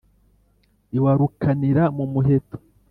iwa rukanira mu muheto.